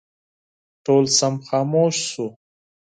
ټول صنف خاموش شو.